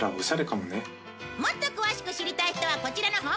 もっと詳しく知りたい人はこちらのホームページへ。